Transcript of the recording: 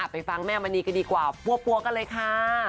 ไปฟังแม่มณีกันดีกว่าปั๊วกันเลยค่ะ